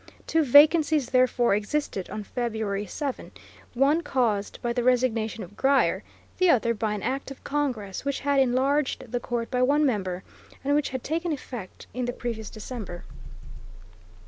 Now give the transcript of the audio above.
Two vacancies therefore existed on February 7, one caused by the resignation of Grier, the other by an act of Congress which had enlarged the court by one member, and which had taken effect in the previous December.